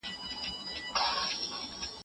څوک به مات کي زندانونه څوک به ښخ کړي ځینځیرونه